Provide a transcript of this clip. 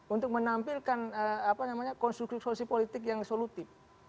untuk menampilkan konstruksi politik yang solutif